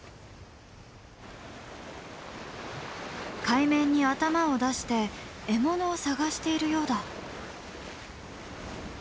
海面に頭を出して獲物を探しているようだ。